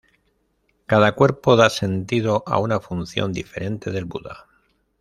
Cada cuerpo da sentido a una función diferente del Buda.